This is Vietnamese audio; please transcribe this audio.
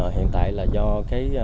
hiện tại là do các